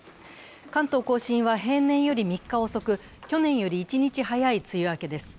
関東甲信は、平年より３日遅く、去年より１日早い梅雨明けです。